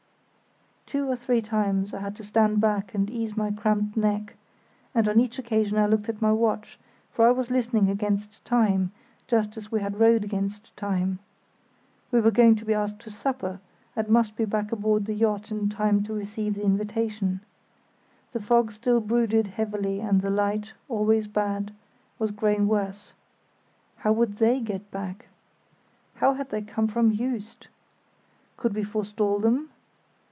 Two or three times I had to stand back and ease my cramped neck, and on each occasion I looked at my watch, for I was listening against time, just as we had rowed against time. We were going to be asked to supper, and must be back aboard the yacht in time to receive the invitation. The fog still brooded heavily and the light, always bad, was growing worse. How would they get back? How had they come from Juist? Could we forestall them?